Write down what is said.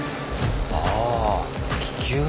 ああ気球ね。